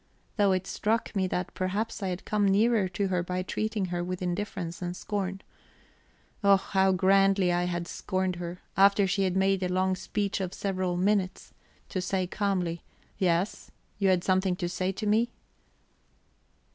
though it struck me that, perhaps, I had come nearer to her by treating her with indifference and scorn. Oh, how grandly I had scorned her after she had made a long speech of several minutes, to say calmly: "Yes? You had something to say to me...?"